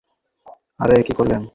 আরে, কি করলেন!